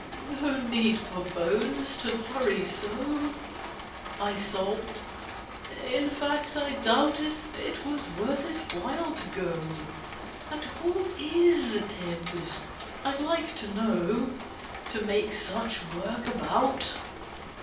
"No need for Bones to hurry so!" I sobbed. "In fact, I doubt If it was worth his while to go— And who is Tibbs, I'd like to know, To make such work about?